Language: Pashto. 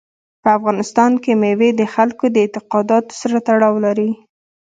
په افغانستان کې مېوې د خلکو د اعتقاداتو سره تړاو لري.